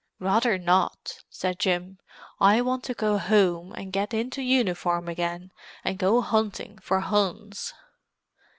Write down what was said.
"Rather not!" said Jim. "I want to go home and get into uniform again, and go hunting for Huns."